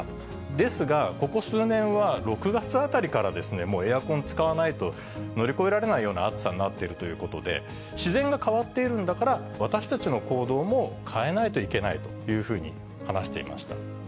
ですが、ここ数年は、６月あたりからもうエアコン使わないと、乗り越えられないような暑さになっているということで、自然が変わっているんだから、私たちの行動も変えないといけないというふうに話していました。